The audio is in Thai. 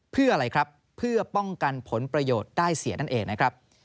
เพื่ออะไรครับเพื่อป้องกันผลประโยชน์ได้เสียนั่นเองนะครับ